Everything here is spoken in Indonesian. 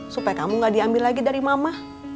supaya kamu gak diambil lagi dari mama